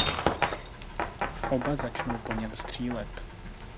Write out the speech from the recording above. Oba začnou po něm střílet.